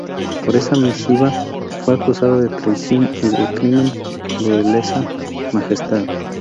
Por esa misiva, fue acusado de traición y de crimen de lesa-majestad.